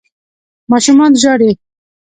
ماشومان ژاړي